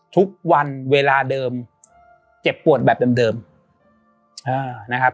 ทุกวันเวลาเดิมเจ็บปวดแบบเดิมนะครับ